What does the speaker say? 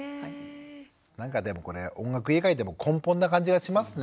なんかでもこれ音楽以外でも根本な感じがしますね。